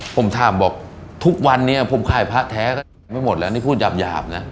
ผมถามบอกทุกวันนี้ผมขายพระแท้ก็ไม่หมดแล้วนี่พูดหยาบนะ